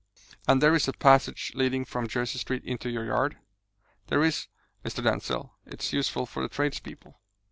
"And there is a passage leading from Jersey Street into your yard?" "There is, Mr. Denzil; it's useful for the trades people."